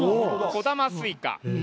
小玉スイカ。